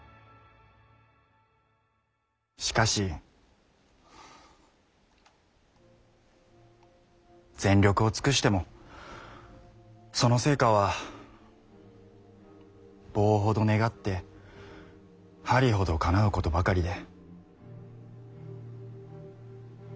しかし全力を尽くしてもその成果は棒ほど願って針ほどかなうことばかりで。